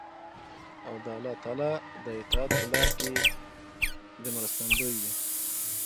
او د الله تعالی د اطاعت په لار کې دې مرستندوی وي.